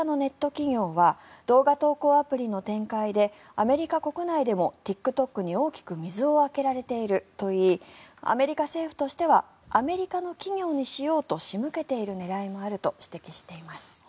企業は動画投稿アプリの展開でアメリカ国内でもＴｉｋＴｏｋに大きく水をあけられているといいアメリカ政府としてはアメリカの企業にしようと仕向けている狙いもあると指摘しています。